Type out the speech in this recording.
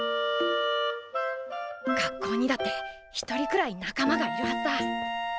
学校にだって一人くらい仲間がいるはずだ。